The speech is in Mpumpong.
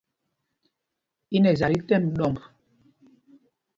I nɛ za tí tɛ́m ɗɔmb.